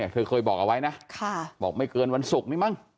เธอเคยบอกเอาไว้นะบอกไม่เกินวันศุกร์นี้มั้ง